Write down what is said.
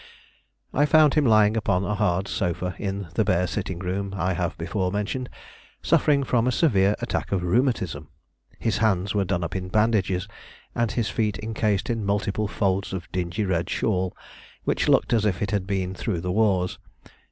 I found him lying upon a hard sofa, in the bare sitting room I have before mentioned, suffering from a severe attack of rheumatism. His hands were done up in bandages, and his feet incased in multiplied folds of a dingy red shawl which looked as if it had been through the wars.